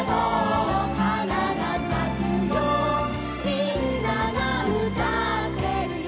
「みんながうたってるよ」